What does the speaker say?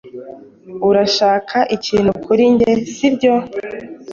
Urashaka ikintu kuri njye, sibyo?